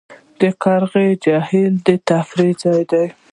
د قرغې جهیل د تفریح ځای دی